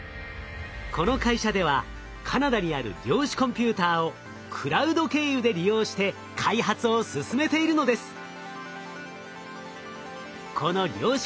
この会社ではカナダにある量子コンピューターをクラウド経由で利用して開発を進めているのです。